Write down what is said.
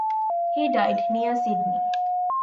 He died near Sydney.